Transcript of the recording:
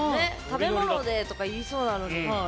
「食べ物で！」とか言いそうなのに。